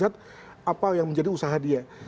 apa yang menjadi usaha dia